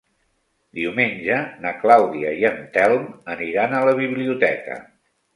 Diumenge na Clàudia i en Telm aniran a la biblioteca.